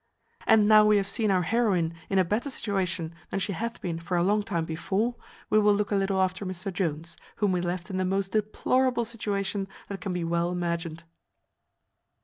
And now we have seen our heroine in a better situation than she hath been for a long time before, we will look a little after Mr Jones, whom we left in the most deplorable situation that can be well imagined.